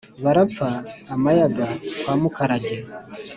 barapfa amayaga kwa mukarage